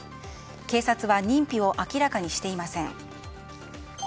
警察は認否を明らかにしていません。